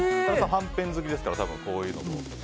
はんぺん好きですからこういうのも？